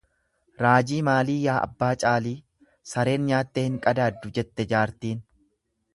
Raajii maalii yaa abbaa Caalii? sareen nyaattee hin qadaaddu jette jaartiin.